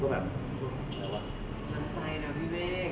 หลังใจนะพี่เบ้ง